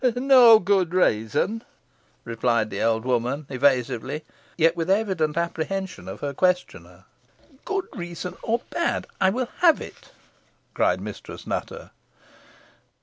"No good reason," replied the old woman evasively, yet with evident apprehension of her questioner. "Good reason or bad, I will have it," cried Mistress Nutter.